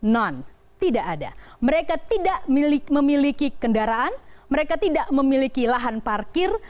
non tidak ada mereka tidak memiliki kendaraan mereka tidak memiliki lahan parkir